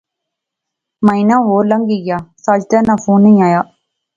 مہینہ ہور لنگی گیا، ساجدے ناں فون نی آیا